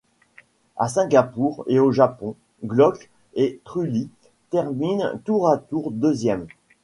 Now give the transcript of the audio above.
À Singapour et au Japon, Glock et Trulli terminent tour à tour deuxième.